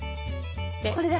これだ。